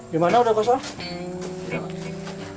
dimana udah kosong